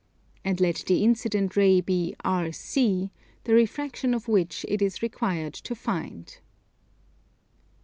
And let the incident ray be RC, the refraction of which it is required to find.